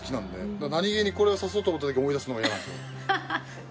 だから何気にこれを差そうと思ったとき思い出すのが嫌なんですよ。